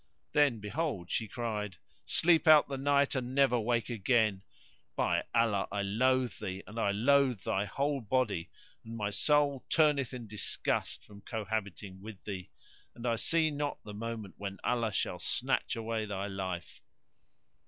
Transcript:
Then, behold, she cried, "Sleep out the night, and never wake again: by Allah, I loathe thee and I loathe thy whole body, and my soul turneth in disgust from cohabiting with thee; and I see not the moment when Allah shall snatch away thy life!"